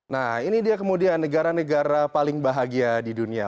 nah ini dia kemudian negara negara paling bahagia di dunia